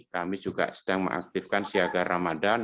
kami juga sedang mengaktifkan siaga ramadhan